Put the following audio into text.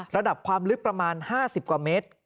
ระดับความลึกประมาณ๕๐กว่าเมตร